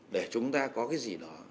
để chúng ta có cái gì đó